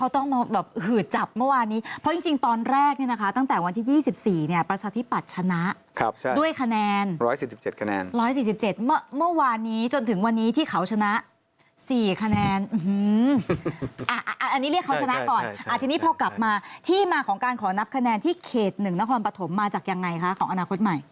ที่เขตหนึ่งนครปฐมมาจากยังไงคะของอนาคตใหม่